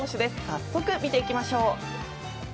早速、見ていきましょう。